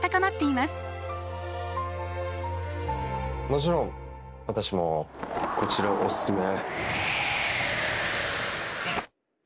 もちろん私もこちらをおすすめ。